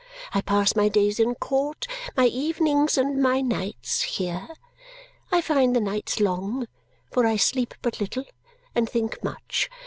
I pass my days in court, my evenings and my nights here. I find the nights long, for I sleep but little and think much.